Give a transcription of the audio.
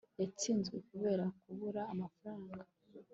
yatsinzwe, kubera kubura amafaranga